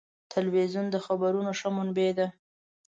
تلویزیون د خبرونو ښه منبع ده.